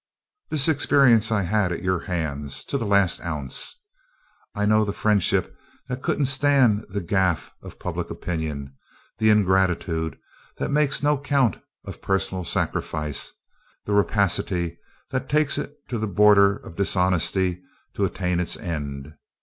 "This experience I had at your hands, to the last ounce. I know the 'friendship' that couldn't 'stand the gaff' of public opinion, the ingratitude that makes no count of personal sacrifice, the rapacity that takes it to the border of dishonesty to attain its end.